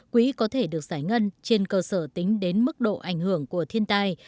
quỹ có thể được giải ngân trên cơ sở tính đến mức độ ảnh hưởng của thiên tai